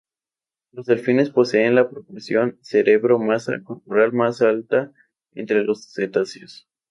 Los delfines poseen la proporción cerebro-masa corporal más alta entre los cetáceos.